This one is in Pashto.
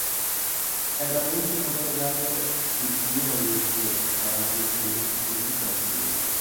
حیرانونکې خبره دا ده چې دې اندېښنې خوراک لټونکي خوندي ساتلي ول.